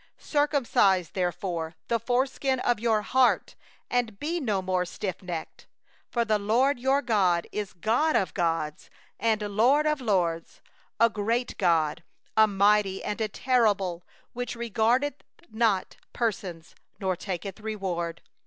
16Circumcise therefore the foreskin of your heart, and be no more stiffnecked. 17For the LORD your God, He is God of gods, and Lord of lords, the great God, the mighty, and the awful, who regardeth not persons, nor taketh reward.